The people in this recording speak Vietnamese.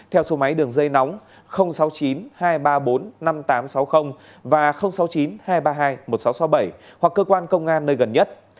theo số máy đường dây nóng sáu mươi chín hai trăm ba mươi bốn năm nghìn tám trăm sáu mươi và sáu mươi chín hai trăm ba mươi hai một nghìn sáu trăm sáu mươi bảy hoặc cơ quan công an nơi gần nhất